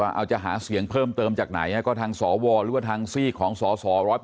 ว่าจะหาเสียงเพิ่มเติมจากไหนก็ทางสวหรือว่าทางซีกของสส๑๘